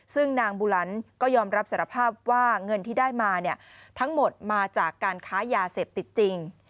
ซึ่งนางบุลันก็ยอมรับสารภาพว่าเงินที่ได้มาทั้งหมดมาจากการค้ายาเสพติดจริง